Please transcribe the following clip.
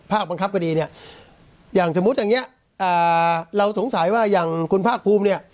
บังคับคดีเนี่ยอย่างสมมุติอย่างนี้เราสงสัยว่าอย่างคุณภาคภูมิเนี่ย